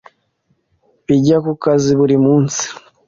Bajya ku kazi buri munsi.